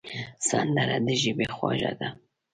سندره د ژبې خواږه ده